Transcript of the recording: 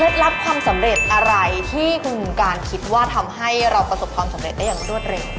ลับความสำเร็จอะไรที่คุณการคิดว่าทำให้เราประสบความสำเร็จได้อย่างรวดเร็ว